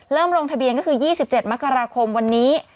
ลงทะเบียนก็คือ๒๗มกราคมวันนี้